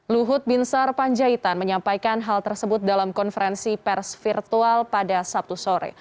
luhut binsar panjaitan menyampaikan hal tersebut dalam konferensi pers virtual pada sabtu sore